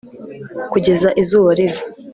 kugeza izuba riva